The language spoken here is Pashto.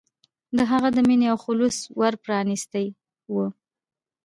د هغه د مینې او خلوص ور پرانستی و.